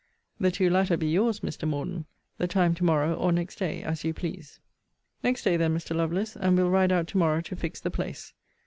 The two latter be your's, Mr. Morden. The time to morrow, or next day, as you please. Next day, then, Mr. Lovelace; and we'll ride out to morrow, to fix the place.